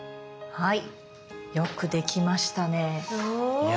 はい。